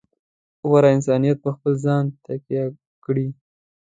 غوره انسانیت په خپل ځان تکیه وکړي.